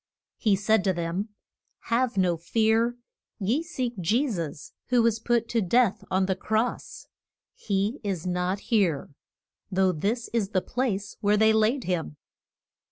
He said to them, Have no fear. Ye seek Je sus, who was put to death on the cross. He is not here, though this is the place where they laid him.